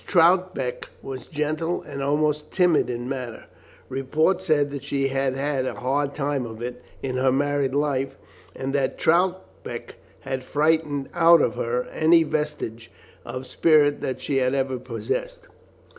Troutbeck was gentle and almost timid in manner; report said that she had had a hard time of it in her married life, and that Troutbeck had frightened out of her any vestige of spirit that she had ever possessed.